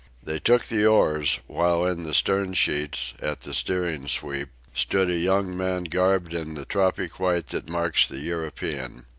They took the oars, while in the stern sheets, at the steering sweep, stood a young man garbed in the tropic white that marks the European.